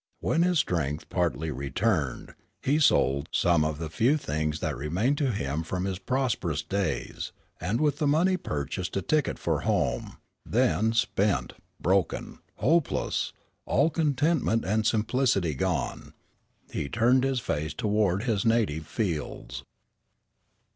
When his strength partly returned, he sold some of the few things that remained to him from his prosperous days, and with the money purchased a ticket for home; then spent, broken, hopeless, all contentment and simplicity gone, he turned his face toward his native fields.